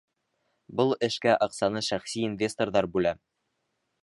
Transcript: — Был эшкә аҡсаны шәхси инвесторҙар бүлә.